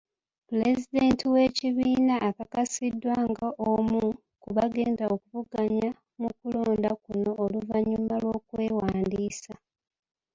Pulezidenti w'ekibiina akakasiddwa nga omu ku bagenda okuvuganya mu kulonda kuno oluvannyuma lw'okwewandiisa.